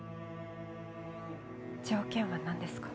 条件はなんですか？